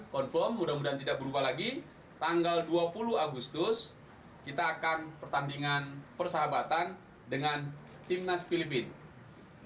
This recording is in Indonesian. confirm mudah mudahan tidak berubah lagi tanggal dua puluh agustus kita akan pertandingan persahabatan dengan timnas filipina